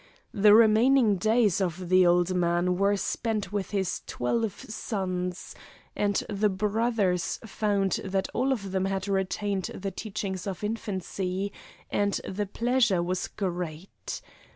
The remaining days of the old man were spent with his twelve sons, and the brothers found that all of them had retained the teachings of infancy, and the pleasure was great.